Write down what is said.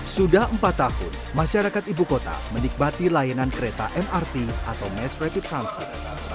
sudah empat tahun masyarakat ibu kota menikmati layanan kereta mrt atau mass rapid transit